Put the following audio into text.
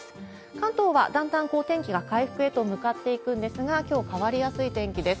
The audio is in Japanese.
関東はだんだん天気が回復へと向かっていくんですが、きょう変わりやすい天気です。